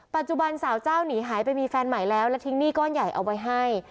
ปัจจุบันสาวเจ้าหนีหายไปมีแฟนใหม่แล้วและทิ้งหนี้ก้อนใหญ่เอาไว้ให้